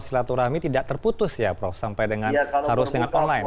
silaturahmi tidak terputus ya prof sampai dengan harus dengan online